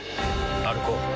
歩こう。